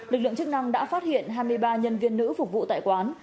lực lượng chức năng đã phát hiện hai mươi ba nhân viên nữ phục vụ tại quán